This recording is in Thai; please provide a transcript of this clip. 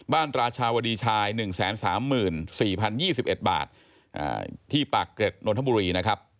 ราชาวดีชาย๑๓๔๐๒๑บาทที่ปากเกร็ดนนทบุรีนะครับ